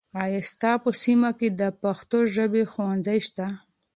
آیا ستا په سیمه کې د پښتو ژبې ښوونځي شته؟